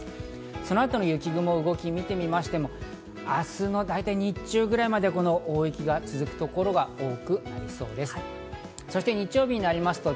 そのあとの雪雲の動きを見てみましても、明日の日中くらいまで大雪が続く所が多くなりそうです。